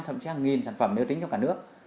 thậm chí hàng nghìn sản phẩm nếu tính trong cả nước